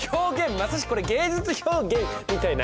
まさしくこれ芸術表現！みたいな？